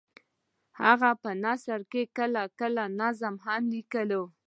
هغه په نثر کې کله کله طنز هم لیکي